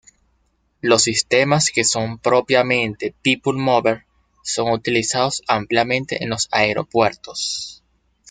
Los sistemas que son propiamente "people mover" son utilizados ampliamente en los aeropuertos.